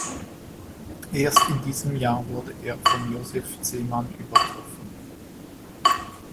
Erst in diesem Jahr wurde er von Josef Zeman übertroffen.